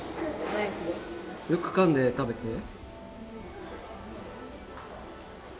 よくかんで食べてね。